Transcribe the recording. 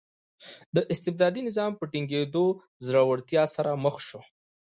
د استبدادي نظام په ټینګېدو ځوړتیا سره مخ شو.